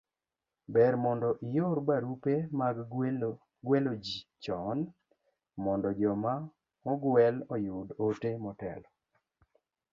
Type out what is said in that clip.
ber mondo ior barupe mag gwelo ji chon mondo joma ogwel oyud ote motelo